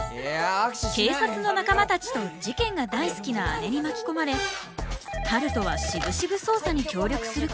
警察の仲間たちと事件が大好きな姉に巻き込まれ春風はしぶしぶ捜査に協力することに。